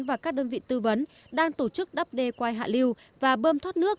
và các đơn vị tư vấn đang tổ chức đắp đê quai hạ liu và bơm thoát nước